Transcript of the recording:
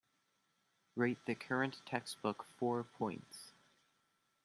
rate the current textbook four points